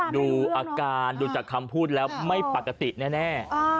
ดูอาการดูจากคำพูดแล้วไม่ปกติแน่